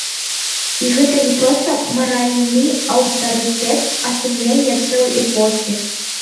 І гэта не проста маральны аўтарытэт, а сумленне цэлай эпохі.